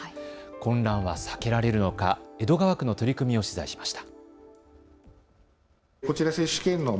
混乱は避けられるのか、江戸川区の取り組みを取材しました。